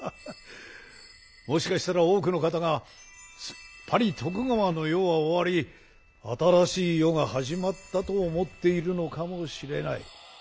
もしかしたら多くの方がすっぱり徳川の世は終わり新しい世が始まったと思っているのかもしれない。